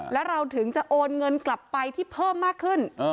แล้วเราถึงจะโอนเงินกลับไปที่เพิ่มมากขึ้น